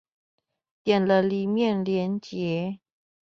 點了裡面連結